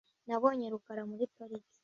Nabonye rukara muri parike .